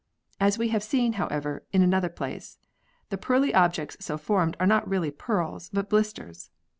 As we have seen, however, in another place (p. 53) the pearly objects so formed are not really pearls, but blisters.